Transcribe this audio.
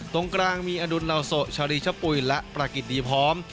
ตรงกลางมีอดุลเหล่าโสชารีชปุ๋ยและประกิจดีพร้อม